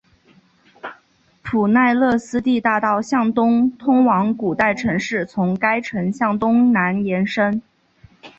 普奈勒斯蒂大道向东通往古代城市从该城向东南延伸。